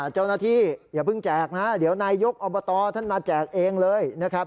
เจ้าหน้าที่อย่าเพิ่งแจกนะเดี๋ยวนายยกอบตท่านมาแจกเองเลยนะครับ